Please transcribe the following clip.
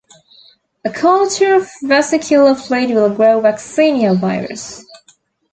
A culture of vesicular fluid will grow vaccinia virus.